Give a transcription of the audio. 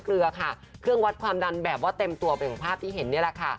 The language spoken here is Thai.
เกลือค่ะเครื่องวัดความดันแบบว่าเต็มตัวเป็นภาพที่เห็นนี่แหละค่ะ